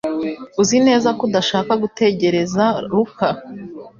Uzi neza ko udashaka gutegereza Luka